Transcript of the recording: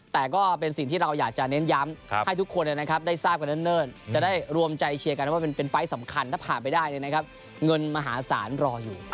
แต่ก็เป็นสิ่งที่เราอยากจะเน้นย้ำให้ทุกคนได้ร่วมใจเชียร์กันว่ามีเนื้อนมหาศาลรออยู่